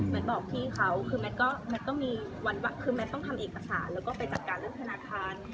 แมนบอกพี่เขาคือแมนต้องทำเอกสารแล้วก็ไปจัดการเรื่องธนาคาร